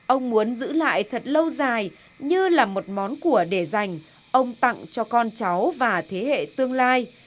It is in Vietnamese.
ông muốn giữ lại thật lâu dài như là một món của để dành ông tặng cho con cháu và thế hệ tương lai